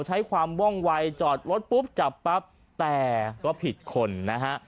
ใช้ความว่องวัยจอดรถปุ๊บจับปั๊บแต่ก็ผิดคนนะฮะ